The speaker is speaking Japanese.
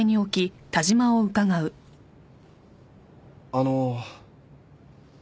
あの。